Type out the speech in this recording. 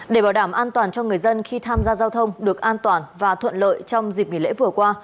để bảo đảm an toàn cho người dân khi tham gia giao thông được an toàn và thuận lợi trong dịp nghỉ lễ vừa qua